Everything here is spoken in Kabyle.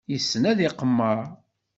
Yessen ad iqemmer.